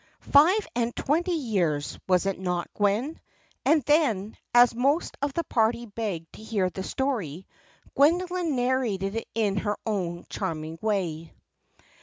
"Five and twenty years, was it not, Gwen?" And then, as most of the party begged to hear the story, Gwendoline narrated it in her own charming way.